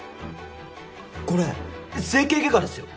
これ整形外科ですよ！